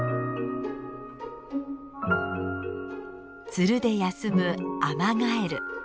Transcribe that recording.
ツルで休むアマガエル。